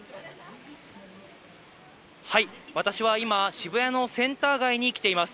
私は今、渋谷のセンター街に来ています。